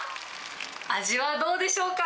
味はどうでしょうか。